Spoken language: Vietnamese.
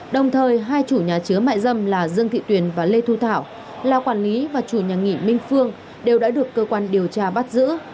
đồng thời hai chủ nhà chứa mại dâm là dương thị tuyền và lê thu thảo là quản lý và chủ nhà nghỉ minh phương đều đã được cơ quan điều tra bắt giữ